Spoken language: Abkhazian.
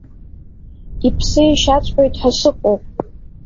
Иԥсы ишьаҵәҟьоит ҳәа сыҟоуп…